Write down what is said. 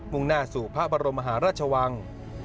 ่งหน้าสู่พระบรมมหาราชวัง